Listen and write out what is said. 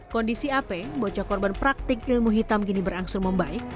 kondisi ap bocah korban praktik ilmu hitam kini berangsur membaik